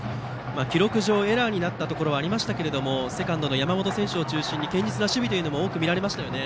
記録上エラーになったところはありましたがセカンドの山本選手を中心に堅実な守備も多く見られましたね。